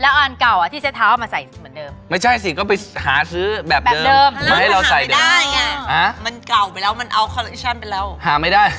แล้วอันเก่าที่เช็ดเท้ามาใส่เหมือนเดิม